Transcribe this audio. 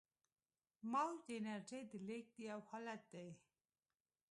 موج د انرژۍ د لیږد یو حالت دی.